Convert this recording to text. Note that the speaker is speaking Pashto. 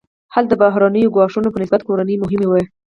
هلته بهرنیو ګواښونو په نسبت کورني مهم وو.